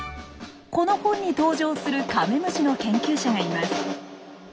この本に登場するカメムシの研究者がいます。